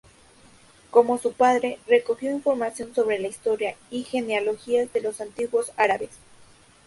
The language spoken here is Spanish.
Como su padre, recogió información sobre la historia y genealogías de los antiguos árabes.